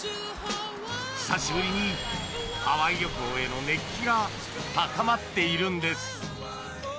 久しぶりにハワイ旅行への熱気が高まっているんです。